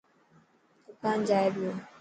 دڪان جائي پيو.